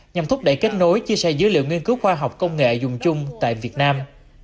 nhằm thúc đẩy kết nối chia sẻ dữ liệu nghiên cứu khoa học công nghệ dùng chung tại việt nam